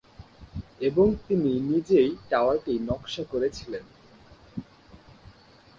এবং তিনি নিজেই টাওয়ারটি নকশা করেছিলেন।